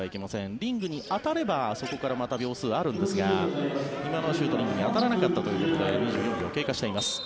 リングに当たればそこからまた秒数あるんですが今のはシュートがリングに当たらなかったということで２４秒が経過しています。